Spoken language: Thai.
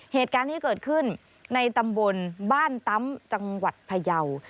เหตุการณ์ที่เกิดขึ้นในตำบลบ้านตั๊มจังหวัดพยาว